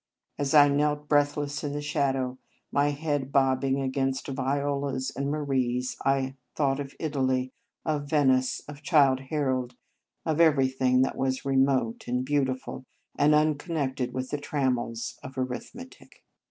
As I knelt breathless in the shadow, my head bobbing against Viola s and Marie s, I thought of Italy, 21 In Our Convent Days of Venice, of Childe Harold, of every thing that was remote, and beautiful, and unconnected with the trammels of arithmetic.